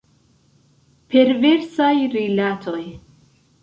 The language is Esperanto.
Perversaj rilatoj.